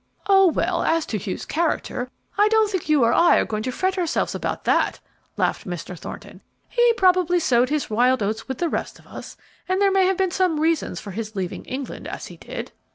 "Oh, well, as to Hugh's character, I don't think you or I are going to fret ourselves about that," laughed Mr. Thornton. "He probably sowed his wild oats with the rest of us, and there may have been some reason for his leaving England as he did."